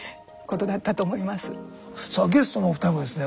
さあゲストのお二人もですね